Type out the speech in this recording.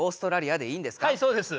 はいそうです！